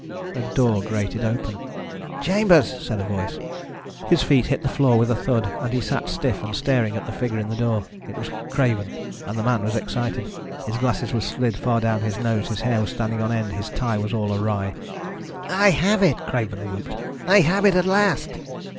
A door grated open. "Chambers!" said a voice. His feet hit the floor with a thud and he sat stiff and staring at the figure in the door. It was Craven and the man was excited. His glasses were slid far down on his nose, his hair was standing on end, his tie was all awry. "I have it!" Craven whooped. "I have it at last!"